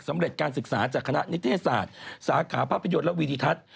สำเร็จการศึกษาจากคณะนิทยาศาสตร์สาขาภาพยนตร์และวิทยาศาสตร์